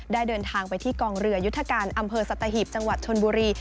เดินทางไปที่กองเรือยุทธการอำเภอสัตหีบจังหวัดชนบุรี